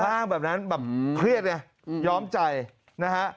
อ้างแบบนั้นแบบเครียดไงย้อมใจนะฮะ